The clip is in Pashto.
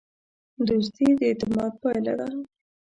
دوستي د اعتماد پایله ده.